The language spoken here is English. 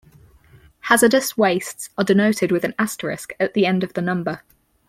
Hazardous wastes are denoted with an asterisk at the end of the number.